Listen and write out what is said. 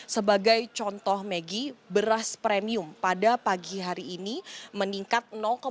sebagai contoh maggie beras premium pada pagi hari ini meningkat